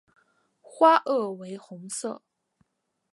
花萼为红色。